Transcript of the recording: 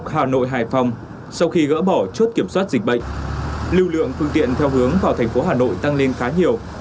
hà nội hải phòng sau khi gỡ bỏ chốt kiểm soát dịch bệnh lưu lượng phương tiện theo hướng vào thành phố hà nội tăng lên khá nhiều